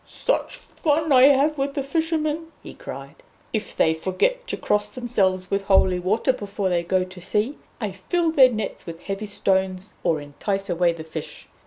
"Such fun as I have with the fishermen!" he cried. "If they forget to cross themselves with holy water before they go to sea, I fill their nets with heavy stones, or entice away the fish.